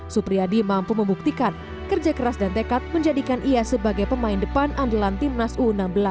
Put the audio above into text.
supriyadi mampu membuktikan kerja keras dan tekad menjadikan ia sebagai pemain depan andalan timnas u enam belas